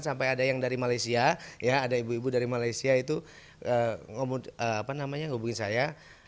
sampai ada yang dari malaysia ya ada ibu ibu dari malaysia itu ngomong apa namanya hubungi saya